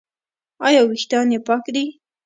ایا ویښتان یې پاک دي؟